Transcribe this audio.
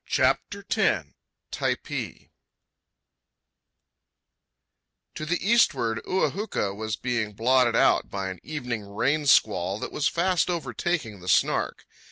CHAPTER X TYPEE To the eastward Ua huka was being blotted out by an evening rain squall that was fast overtaking the Snark.